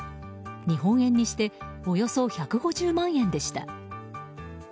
日本円にしておよそ１５０万円でした。